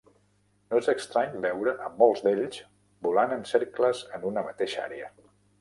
No és estrany veure a molts d'ells volant en cercles en una mateixa àrea.